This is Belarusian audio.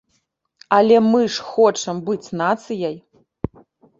Але мы ж хочам быць нацыяй!